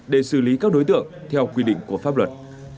để xử lý các đối tượng theo quy định của pháp luật